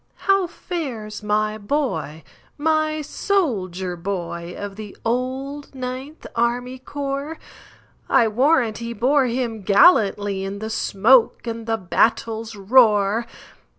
"How fares my boy,—my soldier boy, Of the old Ninth Army Corps?I warrant he bore him gallantlyIn the smoke and the battle's roar!"